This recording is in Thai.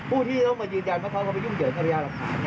ผู้ที่ต้องยืนยันมาพอเข้าไปยุ่งเหยิงทางระยะหลังผ่าน